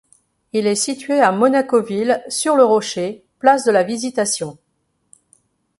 Il est situé à Monaco-Ville, sur le Rocher, place de la Visitation.